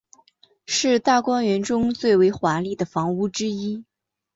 是大观园中最为华丽的房屋之一。